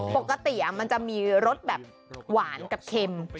ปกติมันจะมีรสแบบหวานกับเค็ม